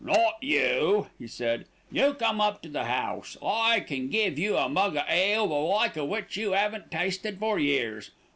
"Not you," he said, "you come up to the house. I can give you a mug of ale the like of which you haven't tasted for years.